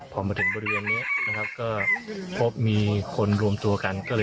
พอมาถึงบริเวณนี้นะครับก็พบมีคนรวมตัวกันก็เลย